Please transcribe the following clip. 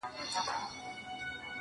خو د خپل شور او ډول لپاره